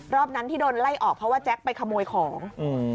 รอบนั้นที่โดนไล่ออกเพราะว่าแจ๊คไปขโมยของอืม